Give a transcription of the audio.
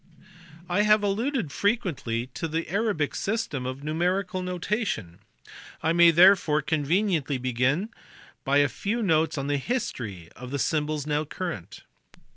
I have alluded frequently to the Arabic system of numeri cal notation. I may therefore conveniently begin by a few notes on the history of the symbols now current.